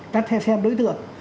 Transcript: các theo xem đối tượng